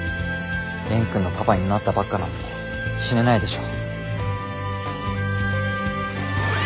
蓮くんのパパになったばっかなのに死ねないでしょ。